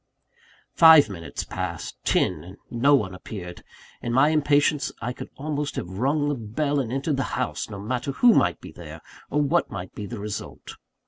Five minutes passed ten and no one appeared. In my impatience, I could almost have rung the bell and entered the house, no matter who might be there, or what might be the result.